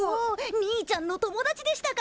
兄ちゃんの友達でしたか。